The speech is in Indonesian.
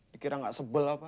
dikira nggak sebel apa